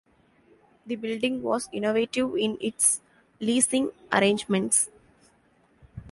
The building was innovative in its leasing arrangements.